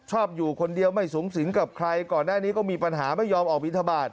อยู่คนเดียวไม่สูงสิงกับใครก่อนหน้านี้ก็มีปัญหาไม่ยอมออกบินทบาท